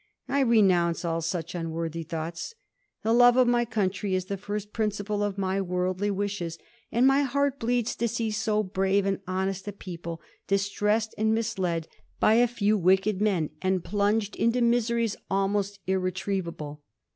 I renounce all such unworthy thoughts. The love of my country is the first principle of my worldly wishes, and my heart bleeds to see so brave and honest a people distressed and misled by a few wicked men, and plunged into miseries almost irre trievable.'